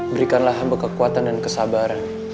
berikanlah hamba kekuatan dan kesabaran